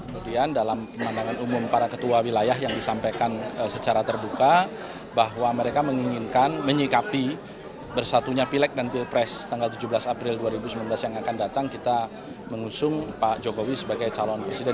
kemudian dalam pemandangan umum para ketua wilayah yang disampaikan secara terbuka bahwa mereka menginginkan menyikapi bersatunya pilek dan pilpres tanggal tujuh belas april dua ribu sembilan belas yang akan datang kita mengusung pak jokowi sebagai calon presiden